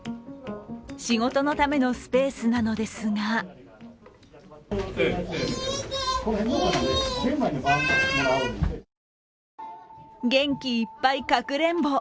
仕事のためのスペースなのですが元気いっぱい、かくれんぼ。